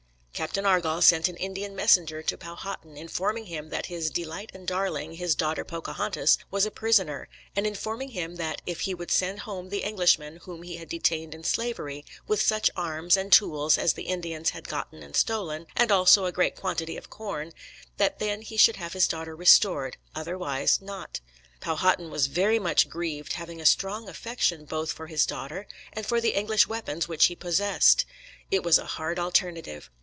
Captain Argall sent an Indian messenger to Powhatan, informing him that "his delight and darling, his daughter Pocahontas," was a prisoner, and informing him that "if he would send home the Englishmen whom he had detained in slavery, with such arms and tools as the Indians had gotten and stolen, and also a great quantity of corn, that then he should have his daughter restored, otherwise not." Powhatan was "very much grieved," having a strong affection both for his daughter and for the English weapons which he possessed. It was a hard alternative.